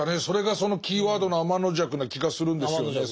それがそのキーワードの天邪鬼な気がするんですよね。